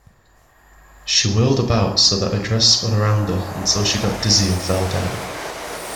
She whirled about so that her dress spun around her until she got dizzy and fell down.